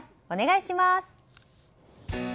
お願いします。